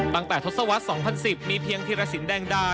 ตั้งแต่ทศวรรษ๒๐๑๐มีเพียงธิรสินแดงดา